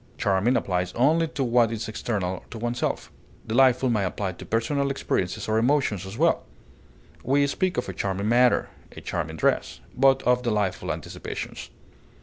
Charming applies only to what is external to oneself; delightful may apply to personal experiences or emotions as well; we speak of a charming manner, a charming dress, but of delightful anticipations.